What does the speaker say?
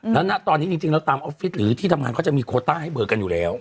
แล้วณตอนนี้จริงแล้วตามออฟฟิศหรือที่ทำงานเขาจะมีโคต้าให้เบอร์กันอยู่แล้ว